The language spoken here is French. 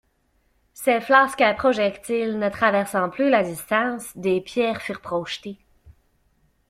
Ces flasques projectiles ne traversant plus la distance, des pierres furent projetées.